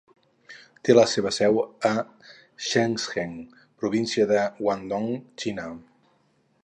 Té la seva seu a Shenzhen, província de Guangdong, Xina.